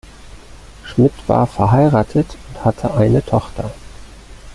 Schmitt war verheiratet und hatte eine Tochter.